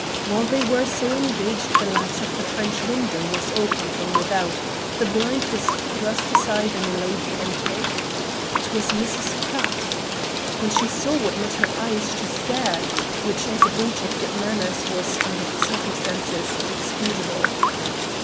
While they were so engaged the latch of the French window was opened from without, the blind was thrust aside, and a lady entered. It was Mrs. Pratt. When she saw what met her eyes she stared, which, as a breach of good manners, was, under the circumstances, excusable.